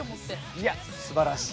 いやすばらしい。